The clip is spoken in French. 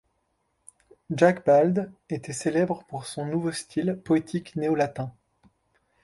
Jacques Balde était célèbre pour son nouveau style poétique néo-latin.